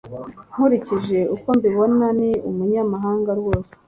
Nkurikije uko mbibona, ni umunyamahanga rwose